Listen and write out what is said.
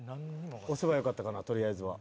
押せばよかったかな取りあえずは。